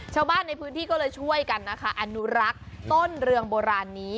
ชาวบ้านในพื้นที่ก็เลยช่วยกันนะคะอนุรักษ์ต้นเรืองโบราณนี้